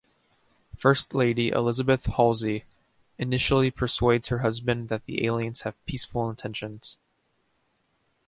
First Lady Elizabeth Halsey initially persuades her husband that the aliens have peaceful intentions.